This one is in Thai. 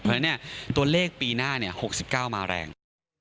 เพราะฉะนั้นเนี่ยตัวเลขปีหน้าเนี่ย๖๙มาแรง